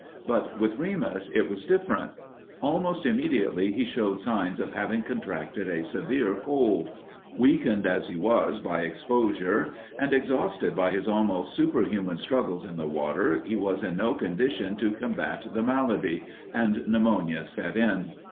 But with Remus it was different. Almost immediately he showed signs of having contracted a severe cold. Weakened as he was by exposure and exhausted by his almost superhuman struggles in the water, he was in no condition to combat the malady, and pneumonia set in.